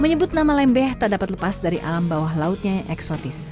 menyebut nama lembeh tak dapat lepas dari alam bawah lautnya yang eksotis